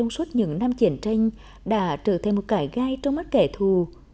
suốt những năm chiến tranh đã trở thêm một cải gai trong mắt kẻ thù